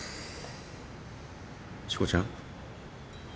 しこちゃん？